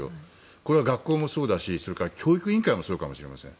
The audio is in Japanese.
これは学校もそうだしそれから教育委員会もそうかもしれません。